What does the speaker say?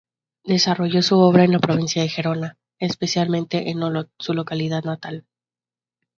Desarrolló su obra en la provincia de Gerona, especialmente en Olot, su localidad natal.